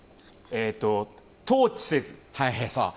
統治せず。